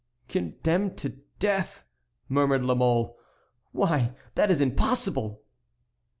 "Condemned to death!" murmured La Mole, "why, that is impossible!"